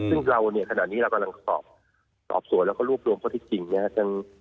ซึ่งเราเนี่ยขณะนี้เรากำลังสอบสอบสวนแล้วก็รวบรวมข้อที่จริงนะครับ